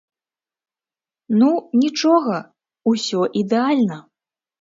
Ну, нічога, усё ідэальна!